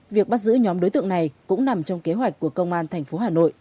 việc bắt giữ nhóm đối tượng này cũng nằm trong kế hoạch của công an thành phố hà nội